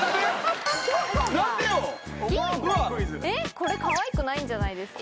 これカワイくないんじゃないですか？